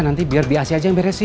nanti biar biasi aja yang beresin